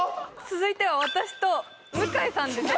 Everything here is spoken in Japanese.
続いては私と向井さんです